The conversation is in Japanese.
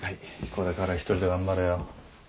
これから１人で頑張れよ。